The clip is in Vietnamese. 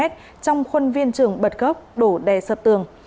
trong khuôn viên trường bật gốc đổ đè sập tường